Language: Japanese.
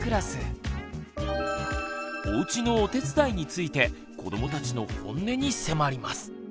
「おうちのお手伝い」について子どもたちのホンネに迫ります。